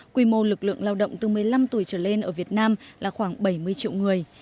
quy mô lực lượng lao động từ một mươi năm tuổi trở lên ở việt nam là khoảng bảy mươi triệu người